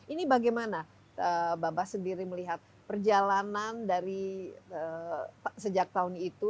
ini bagaimana bapak sendiri melihat perjalanan dari sejak tahun itu